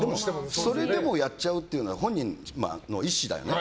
それでもやっちゃうのは本人の意思だよね。